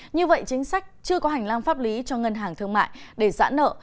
như vậy chính sách chưa có hành lang pháp lý cho ngân hàng thương mại để giãn nợ